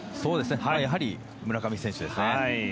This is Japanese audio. やはり村上選手ですね。